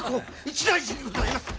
一大事にございます！